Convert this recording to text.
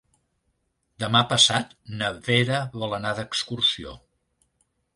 Demà passat na Vera vol anar d'excursió.